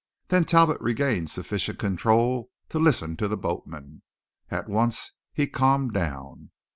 Then Talbot regained sufficient control to listen to the boatman. At once he calmed down.